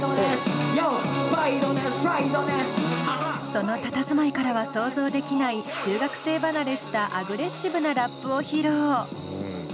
そのたたずまいからは想像できない中学生離れしたアグレッシブなラップを披露。